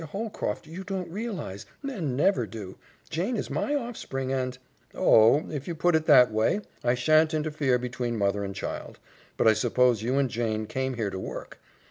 Holcroft, you don't realize men never do Jane is my offspring, and " "Oh, if you put it that way, I shan't interfere between mother and child. But I suppose you and Jane came here to work."